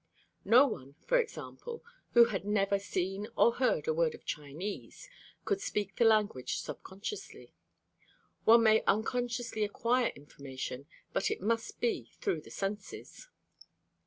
No one, for example, who had never seen or heard a word of Chinese, could speak the language subconsciously. One may unconsciously acquire information, but it must be through the senses.